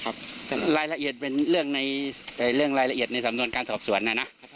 อันนี้ไม่ขอตอบเป็นรายละเอียดในสำนวนการสอบสวนนะ